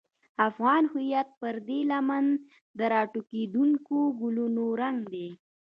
افغان هویت پر دې لمن د راټوکېدونکو ګلونو رنګ دی.